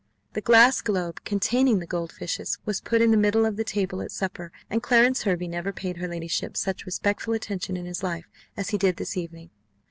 The glass globe containing the gold fishes was put in the middle of the table at supper; and Clarence Hervey never paid her ladyship such respectful attention in his life as he did this evening.